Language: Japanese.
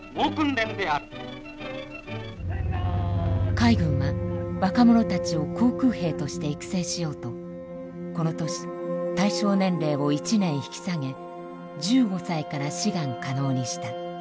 海軍は若者たちを航空兵として育成しようとこの年対象年齢を１年引き下げ１５歳から志願可能にした。